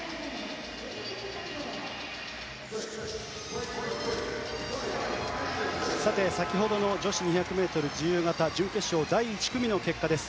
わかるぞ先ほどの女子２００ｍ自由形準決勝第１組の結果です。